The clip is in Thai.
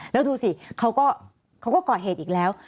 แล้วดูสิเขาก็ก่อเหตุอีกแล้ว